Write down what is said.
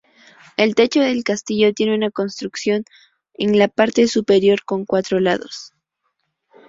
El techo del castillo tiene una construcción en la parte superior con cuatro lados.